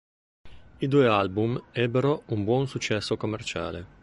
I due album ebbero un buon successo commerciale.